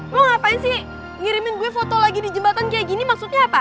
lo ngapain sih ngirimin gue foto lagi di jembatan kayak gini maksudnya apa